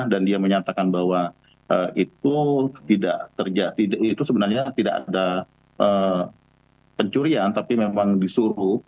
dan dia menyatakan bahwa itu sebenarnya tidak ada pencurian tapi memang disuruh